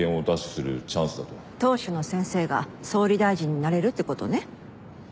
党首の先生が総理大臣になれるってことね。